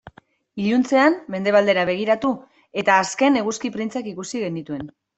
Iluntzean mendebaldera begiratu eta azken eguzki printzak ikusi genituen.